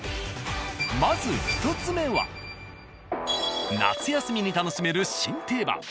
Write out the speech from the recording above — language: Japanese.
まず１つ目は夏休みに楽しめる新定番。